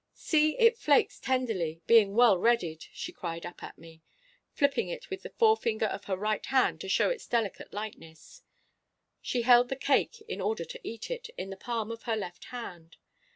'See, it flakes tenderly, being well readied!' she cried up at me, flipping it with the forefinger of her right hand to show its delicate lightness. She held the cake, in order to eat it, in the palm of her left hand.